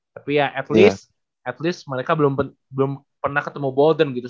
tapi ya setidaknya mereka belum pernah ketemu bolden gitu